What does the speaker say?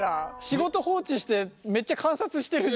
仕事放置してめっちゃ観察してる。